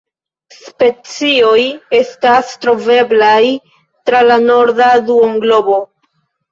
Specioj estas troveblaj tra la norda duonglobo.